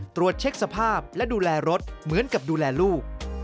ตรวจเช็คสภาพและดูแลรถเหมือนกับดูแลลูก